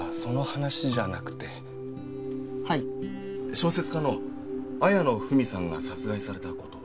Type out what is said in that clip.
小説家の綾野文さんが殺害された事は？